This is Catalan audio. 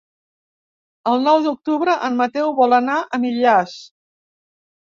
El nou d'octubre en Mateu vol anar a Millars.